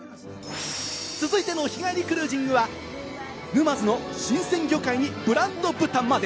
続いての日帰りクルージングは、沼津の新鮮魚介にブランド豚まで！